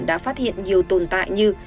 đã phát hiện nhiều tồn tại như